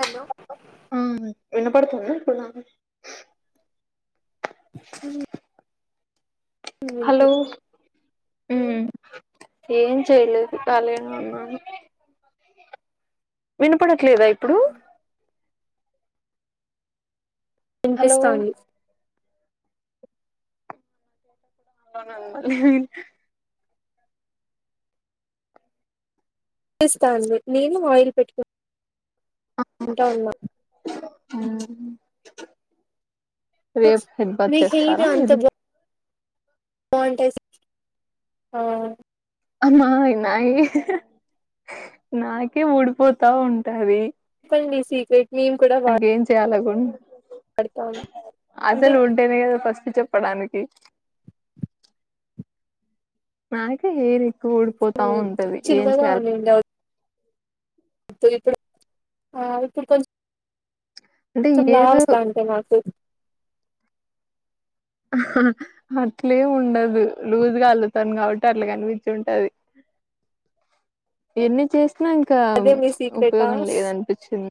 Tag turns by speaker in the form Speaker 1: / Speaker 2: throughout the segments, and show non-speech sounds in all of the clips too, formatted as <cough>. Speaker 1: Hello
Speaker 2: ఉమ్ వినపడుతుందా ఇప్పుడు నాకు
Speaker 1: అ
Speaker 2: హలో ఏం చేయలేదు ఖాళీగానే ఉన్నాను వినపడట్లేదా ఇప్పుడు హలో
Speaker 1: వినిపిస్తాంది
Speaker 2: అవునండీ
Speaker 1: పిస్తాంది నేను ఆయిల్ పెట్టుకును
Speaker 2: రేపు హెడ్బత్
Speaker 1: మీ హెయిర్
Speaker 2: చేస్తారా
Speaker 1: అంత
Speaker 2: మీరు
Speaker 1: బాగుంటాయి ఆ
Speaker 2: అమ్మా నాయి నాకే ఊడిపోతా ఉంటాది
Speaker 1: చెప్పండి సీక్రెట్ మేము కూడా వా
Speaker 2: చేయాల
Speaker 1: అంటే
Speaker 2: అసలు ఉంటెనే కదా ఫస్ట్ చె పడానికి నాకే హెయిర్ ఎక్కు ఊడిపోతా ఉంటది ఏం
Speaker 1: చిన్నగా
Speaker 2: చెయాలి
Speaker 1: ఉండిండే ఇప్పుడు ఇప్పుడు కొంచ
Speaker 2: అంటే
Speaker 1: కొంచం లావు
Speaker 2: ఏదో
Speaker 1: వస్తంటె మాకు
Speaker 2: అట్లే ఉండదు లూజ్గా అల్లుతాను కాబట్టి అట్లా కనిపించి ఉంటది ఎన్ని చేస్త అసల్ ఇంకా
Speaker 1: అదే మీ సీక్రెటా
Speaker 2: ఉపయోగం లేదనిపించింది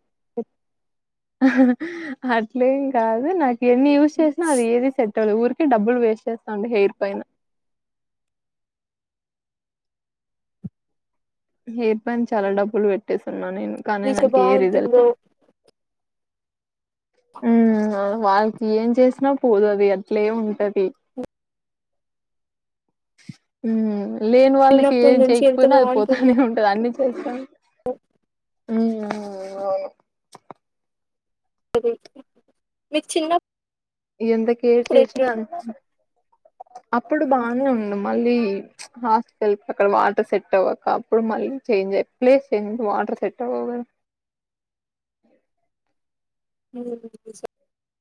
Speaker 2: అట్లేం కాదు నాకు ఎన్ని యూజ్ చేసినా అది ఏది సేట్ టావదు ఊరికే డబ్బులు వేస్ట్ చేస్తాండ హెయిర్ పైన హేయిర్ పైన చాలా డబ్బులు పెట్టేసిన్నా నేను కానీ
Speaker 1: మీకు
Speaker 2: నాకు ఏ
Speaker 1: బాగుంటుందో
Speaker 2: రిజల్ట్ ఉమ్ అవ్ వాల్ ఏం చేసినా పోదుదది అట్లే ఉంటది హ్మ్ లేని వాళ్ళకి
Speaker 1: చిన్నప్పటి
Speaker 2: ఏం
Speaker 1: నుంచి
Speaker 2: చేయకపోయినా అది పోతానే ఉంటాది అన్ని చేస్తాను
Speaker 1: హ్
Speaker 2: ఉ అవునవును
Speaker 1: అది మీర్ చిన్న
Speaker 2: ఎంత కేర్ చేసిన అన్ అప్పుడు బానే ఉండు మళ్ళీ హాస్టల్ కెల్పో అక్కడ వాటర్ సెట్ అవ్వక అప్పుడు మళ్ళీ చేన్ జ్ ప్లేస్ చేంజ్ ఐతే వాటర్ సెట్ అవ్వవు కదా
Speaker 1: <unintelligible>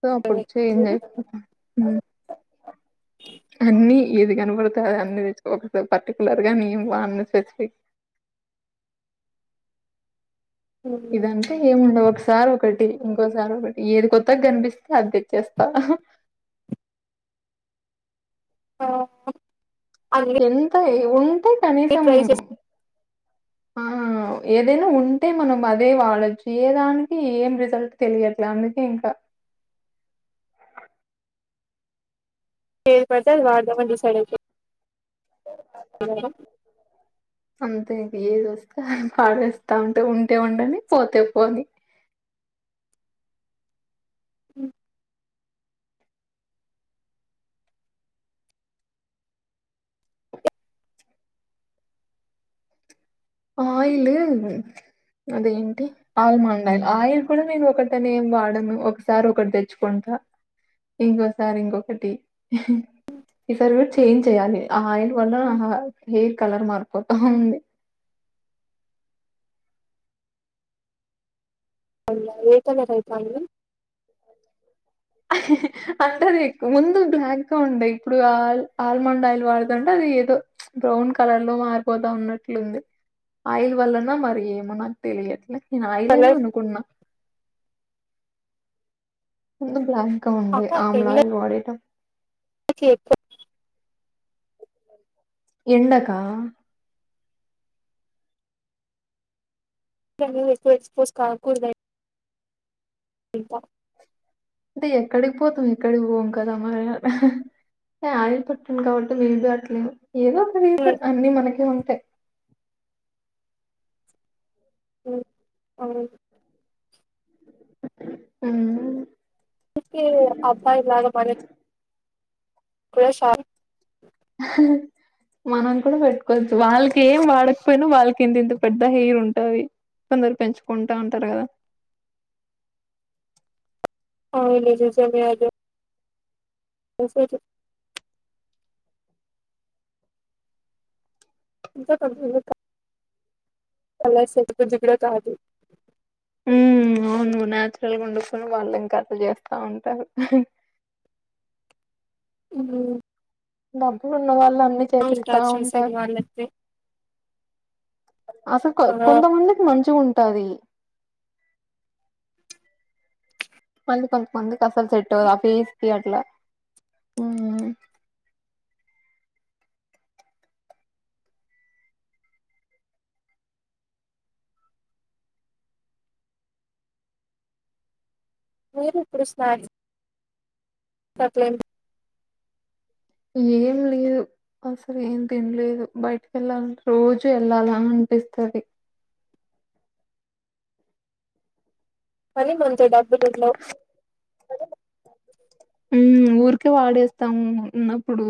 Speaker 2: సో అప్పుడు చేంజ్ అయి అన్నీ ఏది కనపడితే అది అన్ని తెచ్చుకొని ఒక పర్టికులర్ గా నేను వాడ్ని స్పెసిఫిక్ ఇదంతే ఏం ఉండవక్ ఒకసారి ఒకటి ఇంకోసారి ఒకటి ఏది కొత్తగా కనిపిస్తే అది తెచ్చేస్తా
Speaker 1: ఆ
Speaker 2: ఎంత ఉంటే కనీసం
Speaker 1: ట్రై చే
Speaker 2: ఆ ఏదైనా ఉంటే మనం అదే వాడోచ్చు ఏ దానికి ఏం రిజల్ట్ తెలియట్లే అందుకే ఇంకా
Speaker 1: ఏది పడితే అది వాడదాం అని డిసైడ్ అయిపో ఆ
Speaker 2: అంతే ఇక ఏది వస్తే అది వాడేస్తా ఉంటే ఉండనీ పోతే పోని
Speaker 1: హ్
Speaker 2: ఆయిల్ అదేంటి ఆల్మండ్ ఆయిల్ ఆయిల్ కూడా నేను ఒకటనే ఏమి వాడను ఒకసారి ఒకటి తెచ్చుకుం టా ఇంకోసారి ఇంకొకటి ఈసారి కూడా చేంజ్ చేయాలి ఆ ఆయిల్ వల్ల హెయిర్ కలర్ మార్పోతా ఉంది
Speaker 1: అవునా ఏ కలర్ అయితాంది
Speaker 2: అంటే అది ముందు బ్లాక్ గా ఉండే ఇప్పుడు ఆల్మండ్ ఆయిల్ వాడుతుంటే అది ఏదో బ్రౌన్ కలర్ లో మారిపోతా ఉన్నట్లుంది ఆయిల్ వల్లన మరి ఏమో నాకు తెలియట్లే నేను ఆయిలేనే
Speaker 1: కలర్
Speaker 2: అనుకున్నా ముందు బ్లాక్ ఉండే ఆమ్లా ఆయిల్ వాడేటప్
Speaker 1: అందుకే ఎక్కు
Speaker 2: ఎండకా
Speaker 1: <unintelligible> పోసి కాగకుడదా ఇంకా
Speaker 2: అంటే ఎక్కడికి పోతాం ఎక్కడికి పోం కదా మరా ఆహ్ అంటే ఆయిల్ పెట్టినం కాబట్టి మే బి అట్లేమో ఏదో ఒక రీజన్ అన్ని మనకే ఉంటాయి
Speaker 1: మ్ అవును
Speaker 2: ఉమ్
Speaker 1: కే అబ్బాయిలాగా బరి ఫ్రెష్ ఆ
Speaker 2: <unintelligible> మనం కూడా పెట్టుకోవచ్చు వాళ్ళకి ఏం వాడకపోయినా వాళ్ళకి ఇంత ఇంత పెద్ద హెయిర్ ఉంటది కొందరు పెంచుకుంటా ఉంటారు కదా
Speaker 1: అవును నిజమే అగొ మసాజు ఇంకొక <unintelligible> అలా సడబుద్ది కూడ కాదు
Speaker 2: ఉమ్ అవును నాచురల్గా ఉండకుండ వాళ్ళు ఇంకా అట్లా చేస్తా ఉంటారు
Speaker 1: ఊ
Speaker 2: డబ్బులు ఉన్న వాళ్ళు అన్ని చేపిస్తా
Speaker 1: చూసేది
Speaker 2: ఉంటారు
Speaker 1: వాళ్ళైతే
Speaker 2: అస కొ
Speaker 1: ఆ
Speaker 2: కొంతమందికి మంచిగా ఉంటది కానీ కొంత మందికి అసలు సెట్ అవ్వదు ఆ పేస్ కి అట్లా
Speaker 1: మీరు ఇప్పుడు స్నాక్స్ నా ఫ్రెండ్
Speaker 2: ఏం లేదు అసలు ఏం తినలేదు బయటికి వెళ్ళాలంటే రోజు వెళ్ళాలీ అం పిస్తది
Speaker 1: పని మంచిగ డబ్బులుండవ్
Speaker 2: ఉ ఊరికే వాడేస్తాము ఉన్నప్పుడు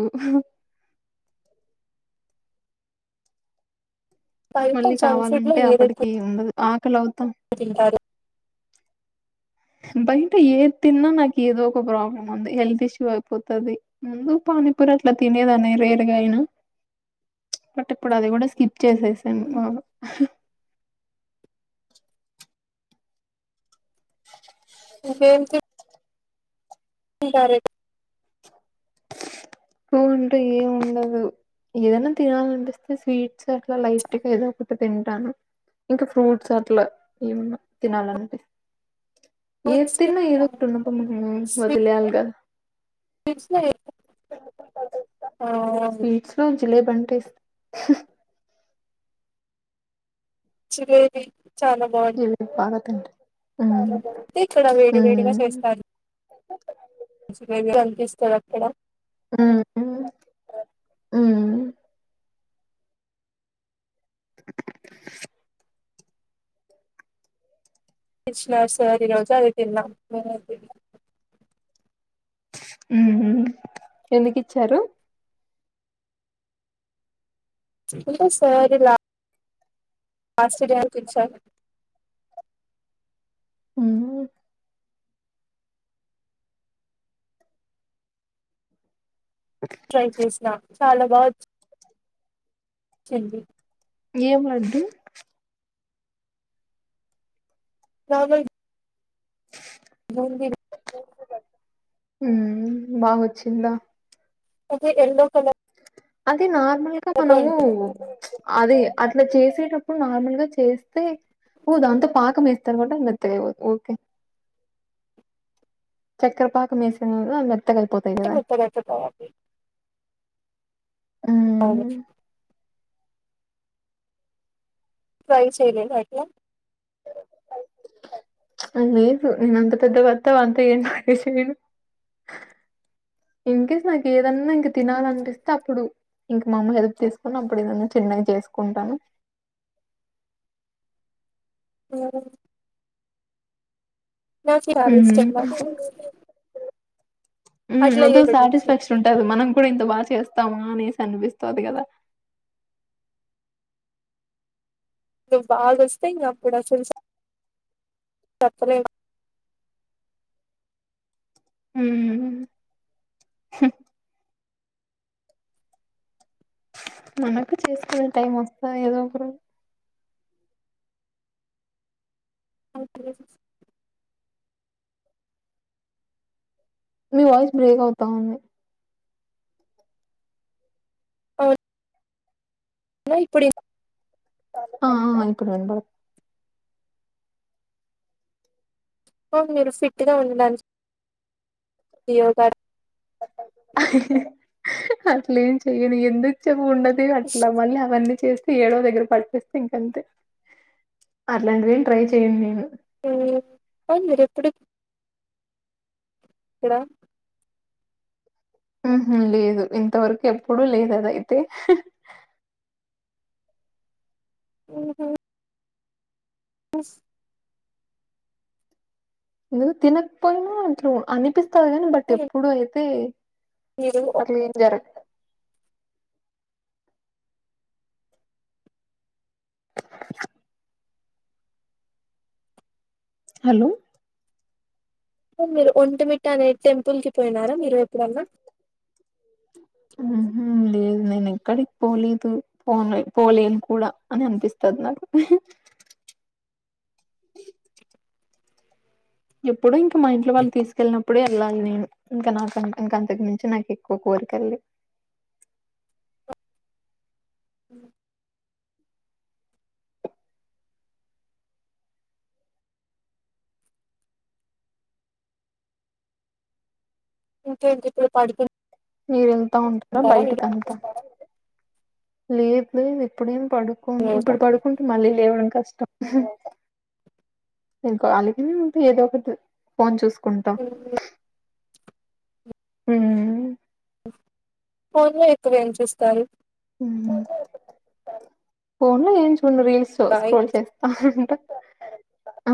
Speaker 1: బయట
Speaker 2: మళ్ళీ
Speaker 1: జంక్ ఫుడ్ లో
Speaker 2: కావాలంటే
Speaker 1: ఏదైతే
Speaker 2: అప్పటికి ఉండదు ఆకలి అవుతాం
Speaker 1: తింటారు
Speaker 2: బయట ఏ తిన్నా నాకు ఏదో ఒక ప్రాబ్లం ఉంది హెల్త్ ఇష్యూ అయిపోతది ముందు ప మణిపుర్ అట్ల తినేదానే రేరుగాయినా
Speaker 1: అ
Speaker 2: బట్ ఇప్పుడు అది కూడా స్కిప్ చేసేసాను మామ
Speaker 1: ఇదేమిటి ఇంత రేటు
Speaker 2: ఏవుంటయ్ ఏముండదు ఏదనా తినాలినిపిస్తే స్వీట్స్ అట్లా లైట్ గా ఏదో ఒకటి తింటాను ఇంకా ఫ్రూట్స్ అట్లా ఏమన్నా తినాలన్ పిస్ ఏ తిన్న
Speaker 1: ఎక్కువ?
Speaker 2: ఏదోకటి ఉండకుండా <unintelligible> వదిలేయాలిగా
Speaker 1: పిడ్స్ దే నాది
Speaker 2: లేపంటిస్ <unintelligible>
Speaker 1: చివేది చానా బావున్
Speaker 2: జిలేబీ బాగా తింటా హ్మ్
Speaker 1: ఇక్కడా వేడి వేడిగా
Speaker 2: హ్మ్
Speaker 1: చేస్తాను వేడిగా అనిపిస్ చదక్కడ
Speaker 2: ఉ ఊ ఊ
Speaker 1: ఇశ్వాసది రోజు అది తిన్నాం
Speaker 2: ఊహు ఎందుకిచ్చారు
Speaker 1: ఇంట సారిలా హాస్పిటాల్ కొచం
Speaker 2: ఊ
Speaker 1: ట్రై చేసిన చాలా బా చింది
Speaker 2: నీయకు నద్దు
Speaker 1: కాలేజ్ జోర్ మీద
Speaker 2: ఊ బాగొచ్చిందా
Speaker 1: అదే ఎల్లోకల
Speaker 2: అది నార్మల్ గా మనము అది అట్లా చేసేటప్పుడు నార్మల్ గా చేస్తే ఓ దాంతో పాకం వేస్తారు కాబట్టి అది మెత్తగా అపోద్ది ఓకే చక్కర పాకం మేసిన వల్ల అంద
Speaker 1: <unintelligible> అవును
Speaker 2: హ్మ్
Speaker 1: ట్రై చేయలేదట్లా
Speaker 2: అ లేదు నను అంత పెద్ద వత్తవ్ అంత ఏం వేసి నేను ఇంకేస్ నాకు ఏదన్నా ఇంక తినాలినిపిస్తే అప్పుడు ఇంకా మా అమ్మ హెల్ప్ తీసుకుని అప్పుడు ఏదన్నా చిన్నగా చేసుకుంటాను
Speaker 1: ఉహ్మ్ నాకిరాలు
Speaker 2: హ్మ్
Speaker 1: ఇష్టం నాకు అట్లా
Speaker 2: అదో
Speaker 1: ఏడు నుంచి
Speaker 2: సాటిస్ఫాక్షన్ ఉంటది మనం కూడా ఇంత బాగా చేస్తం స్తామా అనేసి అనిపిస్తుంది కదా
Speaker 1: ను బాగా వస్తా ఇంకా అప్పుడ చలు తప్పరే
Speaker 2: ఉమ్మ్ హుమ్ మనకు చేసుకునే టైం వస్తా ఏదో ఒకరు
Speaker 1: <inaudible>
Speaker 2: మీ వాయిస్ బ్రేక్ అవుతా ఉంది
Speaker 1: అవు నా ఇప్పుడు ఇన్
Speaker 2: ఆ ఆ ఇప్పుడు వినబడు
Speaker 1: ఔను మీరు ఫిట్గా ఉండడాని యోగా
Speaker 2: అసలేం చెయని ఎందుకు చెప్ప ఉండది అట్ల మళ్ళీ అవన్నీ చేస్తా ఏడో దగ్గర పట్టిస్తే ఇంకంతే అట్లాంటిదేని ట్రై చెయను నేను
Speaker 1: అవున మీరు ఎప్పుడు కిరాక్
Speaker 2: ఉహ్మ్ లేదు ఇంతవరకు ఎప్పుడూ లేదు అద అయితే
Speaker 1: ఊ హ్మ్ ఎస్
Speaker 2: ఎందుకు తినకపోయినా ఇట్లా అనిపిస్తంది గాని బట్
Speaker 1: సరే.
Speaker 2: ఎప్పుడు అయితే
Speaker 1: మీరు ఓహ్,
Speaker 2: అట్లు ఏం జరగ హలో
Speaker 1: మీరు ఒంటమిట్ట అనే టెంపుల్ కి పోయినారా మీరు ఎప్పుడన్నా
Speaker 2: ఊ హ్మ్ లే దు నేను ఎక్కడికి పోలేదు పోలే పోలేను కూడా అని అనిపిస్తుంది నాకు ఎప్పుడూ ఇంకా మా ఇంట్లో వాళ్ళు తీసుకెళ్లినప్పు అప్పుడే వెళ్ళాలి నేను ఇంకా నాక ఇంక అంతకు మించి చి నాకు ఎక్కువ కోరికల్లేవ్
Speaker 1: ఇంకేంటి ఇప్పుడు పడుకుం
Speaker 2: మీరెళ్తా ఉంటారా బయటిక్ అంత లేదు లేదు ఇప్పుడేం పడుకోను ఇప్పుడు పడుకుంటే మళ్ళీ లేవడం కష్టం నేన్ కాళీగానే ఉంటే ఏదో ఒకటి ఫోన్ చూస్
Speaker 1: అ
Speaker 2: మ్
Speaker 1: ఫోన్లొ ఇప్పుడేంచేస్తారు
Speaker 2: మ్ ఫోన్ లో ఏం చూ రీల్స్
Speaker 1: బాయ్
Speaker 2: స్క్రోల్ చేస్తాంట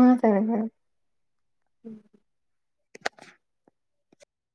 Speaker 2: ఆ సరే మేడం